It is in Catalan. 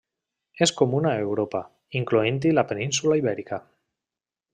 És comuna a Europa, incloent-hi la península Ibèrica.